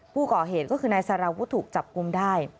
ผู้ก่อเหตุก็คือนายสารวุฒิถูกจับกลุ่มได้